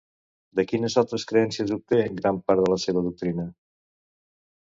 De quines altres creences obté gran part de la seva doctrina?